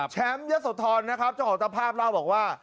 ยะโสธรนะครับเจ้าของตะภาพเล่าบอกว่า